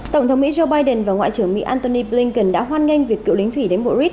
tổng thống mỹ joe biden và ngoại trưởng mỹ antony blinken đã hoan nghênh việc cựu lính thủy đánh bộ ritz